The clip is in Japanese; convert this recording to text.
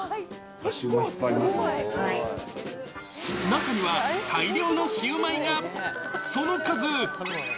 中には大量のシウマイが。